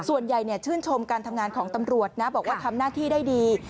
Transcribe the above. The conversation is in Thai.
ส่วนใหญ่ชื่นชมการทำงานของตำรวจนะบอกว่าทำหน้าที่ได้ดี